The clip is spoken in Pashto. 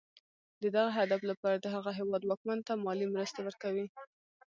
د دغه هدف لپاره د هغه هېواد واکمن ته مالي مرستې ورکوي.